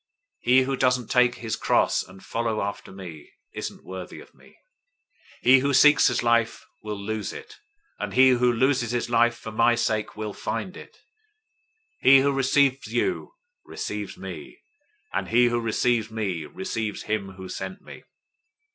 010:038 He who doesn't take his cross and follow after me, isn't worthy of me. 010:039 He who seeks his life will lose it; and he who loses his life for my sake will find it. 010:040 He who receives you receives me, and he who receives me receives him who sent me.